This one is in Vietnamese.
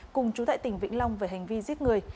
cùng chủ tệ tỉnh vĩnh long về hành vi giết người